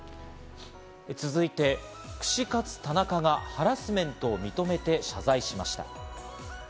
続いて、串カツ田中がハラスメントを認めて謝罪しました。